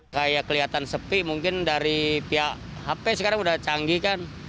kayak kelihatan sepi mungkin dari pihak hp sekarang udah canggih kan